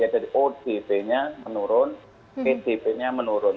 jadi otp nya menurun ktp nya menurun